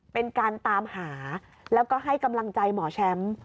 เป็นการตามหาแล้วก็ให้กำลังใจหมอแชมป์